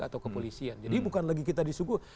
atau kepolisian jadi bukan lagi kita disuguh